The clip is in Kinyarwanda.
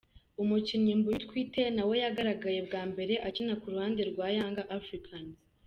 Umukinnyi Mbuyu Twite nawe yagaragaye bwa mbere akina ku ruhande rwa Yanga Africans.